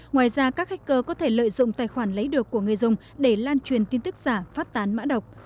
ngoài ra các hacker có thể lợi dụng tài khoản lấy được của người dùng để lan truyền tin tức giả phát tán mã độc